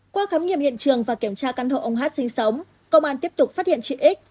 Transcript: qua khám nghiệm hiện trường và kiểm tra căn hộ ông hát sinh sống công an tiếp tục phát hiện chị x